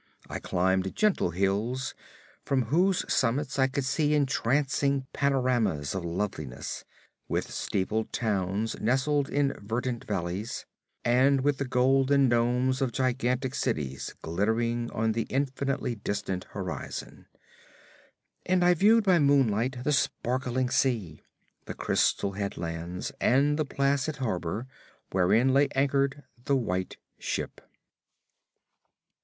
I climbed gentle hills from whose summits I could see entrancing panoramas of loveliness, with steepled towns nestling in verdant valleys, and with the golden domes of gigantic cities glittering on the infinitely distant horizon. And I viewed by moonlight the sparkling sea, the crystal headlands, and the placid harbor wherein lay anchored the White Ship.